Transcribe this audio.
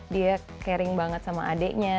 dia caring banget sama adiknya